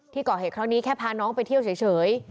ที่ก่อเหตุเท่านี้แค่พาน้องไปเที่ยวเฉย